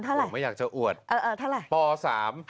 เท่าไหร่ผู้อยากจะอุดอ่าเท่าไหร่ต่ออาจ